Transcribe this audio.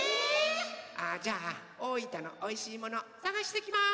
ああじゃあ大分のおいしいものさがしてきます！